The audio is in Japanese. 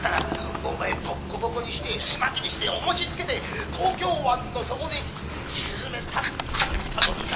「お前ボッコボコにして簀巻きにして重しつけて東京湾の底に沈めたったったのにな」